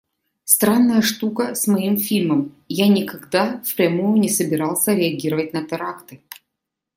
Странная штука с моим фильмом – я никогда впрямую не собирался реагировать на теракты.